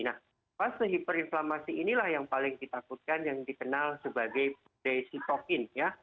nah fase hiperinflamasi inilah yang paling ditakutkan yang dikenal sebagai desitokin ya